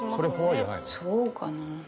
そうかな？